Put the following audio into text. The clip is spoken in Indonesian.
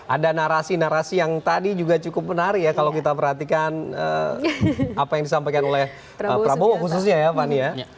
ada narasi narasi yang tadi juga cukup menarik ya kalau kita perhatikan apa yang disampaikan oleh prabowo khususnya ya fani ya